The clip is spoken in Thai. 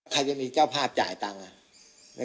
ใครจะมีเจ้าภาพจ่ายตังค์